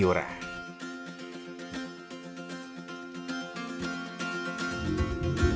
dan juga bisa dipakai sebagai makanan